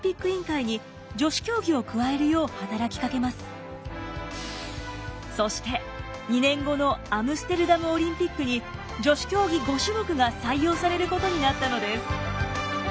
大会後ミリア会長はそして２年後のアムステルダムオリンピックに女子競技５種目が採用されることになったのです。